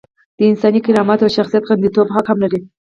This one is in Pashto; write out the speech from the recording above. د انساني کرامت او شخصیت خونديتوب حق هم لري.